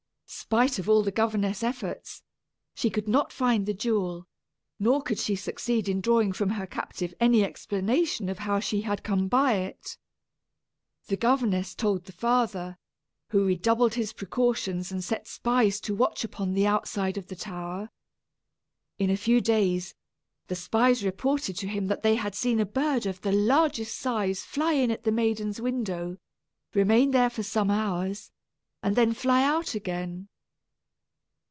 Spite of all the governess' efforts, she could not find the jewel; nor could she succeed in drawing from her captive any explanation of how she had come by it. The governess told the father, who redoubled his precautions and set spies to watch upon the outside of the tower. In a few days, the spies reported to him that they had seen a bird of the largest size fly in at the maiden's window, remain there for some hours, and then fly out again.